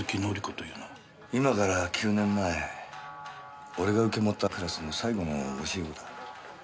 今から９年前俺が受けもったクラスの最後の教え子だ。